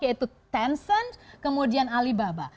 yaitu tencent kemudian alibaba